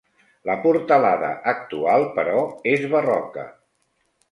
La portalada actual, però, és barroca.